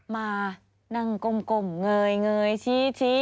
มานั่งกลมเงยชี้